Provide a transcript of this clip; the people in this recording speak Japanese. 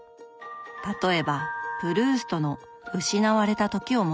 例えばプルーストの「失われた時を求めて」